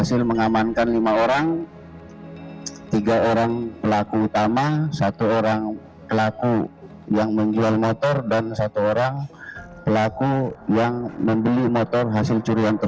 satu pelaku utama satu orang pelaku penjual motor dan satu orang penanda hasil curian